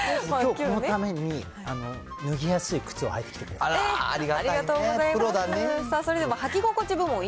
きょう、このために脱ぎやすい靴を履いてきてくれてる。